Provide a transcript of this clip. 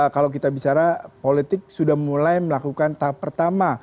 kalau kita bicara politik sudah mulai melakukan tahap pertama